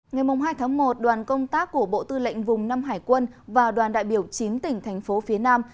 ngày hai tháng một đoàn công tác của bộ tư lệnh vùng năm hải quân và đoàn đại biểu chín tỉnh thành phố phía nam